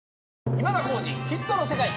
『今田耕司★ヒットの世界』。